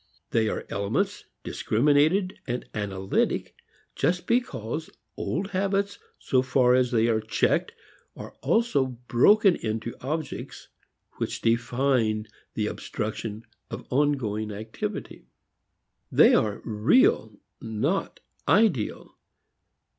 They are elements, discriminated, analytic just because old habits so far as they are checked are also broken into objects which define the obstruction of ongoing activity. They are "real," not ideal.